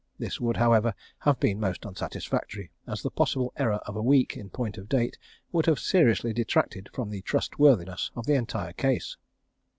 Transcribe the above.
This would, however, have been most unsatisfactory, as the possible error of a week in point of date would have seriously detracted from the trustworthiness of the entire case.